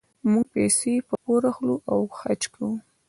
موږ پیسې په پور اخلو او حج کوو.